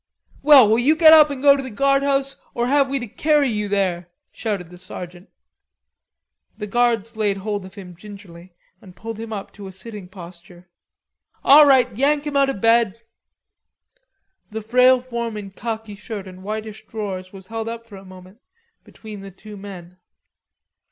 "Well, will you get up and go to the guardhouse, or have we to carry you there?" shouted the sergeant. The guards laid hold of him gingerly and pulled him up to a sitting posture. "All right, yank him out of bed." The frail form in khaki shirt and whitish drawers was held up for a moment between the two men.